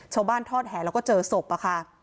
ชาวบ้านทอดแห่แล้วก็เจอศพค่ะ